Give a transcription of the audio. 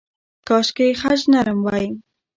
کاشکې خج نرم وای.